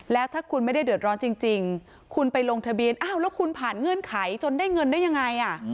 แล้วถ้าคุณไม่ได้เดือดร้อนจริงคุณไปลงทะเบียนอ้าวแล้วคุณผ่านเงื่อนไขจนได้เงินได้ยังไง